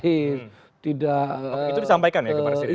itu disampaikan ya ke pak presiden